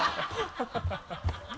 ハハハ